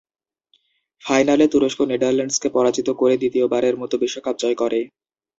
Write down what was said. ফাইনালে তুরস্ক নেদারল্যান্ডসকে পরাজিত করে দ্বিতীয় বারের মতো বিশ্বকাপ জয় করে।